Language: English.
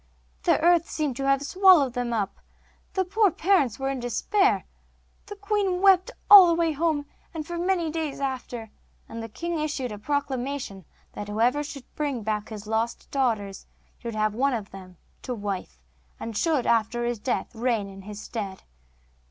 The earth seemed to have swallowed them up. The poor parents were in despair. The queen wept all the way home, and for many days after, and the king issued a proclamation that whoever should bring back his lost daughters should have one of them to wife, and should, after his death, reign in his stead.